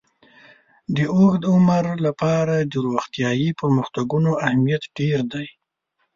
د اوږد عمر لپاره د روغتیايي پرمختګونو اهمیت ډېر دی.